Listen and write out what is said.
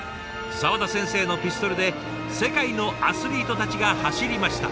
沢田先生のピストルで世界のアスリートたちが走りました。